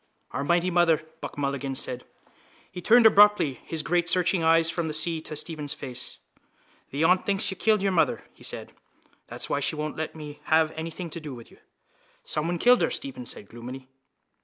—Our mighty mother! Buck Mulligan said. He turned abruptly his grey searching eyes from the sea to Stephen's face. —The aunt thinks you killed your mother, he said. That's why she won't let me have anything to do with you. —Someone killed her, Stephen said gloomily.